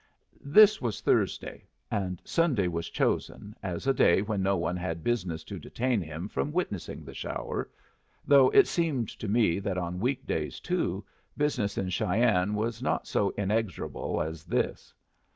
This was Thursday; and Sunday was chosen, as a day when no one had business to detain him from witnessing the shower though it seemed to me that on week days, too, business in Cheyenne was not so inexorable as this.